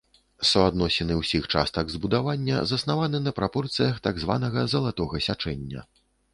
Суадносіны ўсіх частак збудавання заснаваны на прапорцыях так званага залатога сячэння.